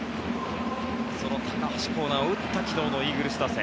その高橋光成を打った昨日のイーグルス打線。